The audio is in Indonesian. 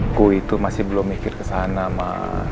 aku itu masih belum mikir kesana mah